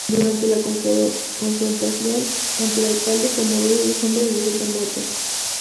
Durante la confrontación, tanto el alcalde como dos de sus hombres resultan muertos.